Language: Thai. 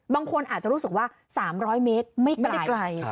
บางคนอาจจะรู้สึกว่า๓๐๐เมตรไม่ได้ไกล